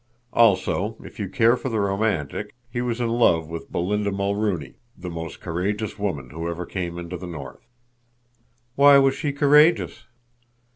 Also, if you care for the romantic, he was in love with Belinda Mulrooney, the most courageous woman who ever came into the north." "Why was she courageous?"